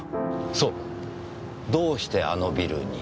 そう「どうしてあのビルに」。